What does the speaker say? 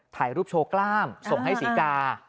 ถ่ายรูปโชว์กล้ามส่งให้ศรีกา